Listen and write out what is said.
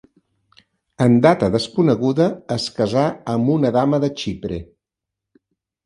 En data desconeguda es casà amb una dama de Xipre.